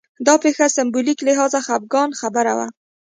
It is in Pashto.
دا پېښه سېمبولیک لحاظ خپګان خبره وه